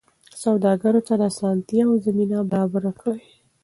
سوداګرو ته د اسانتیاوو زمینه برابره کړئ.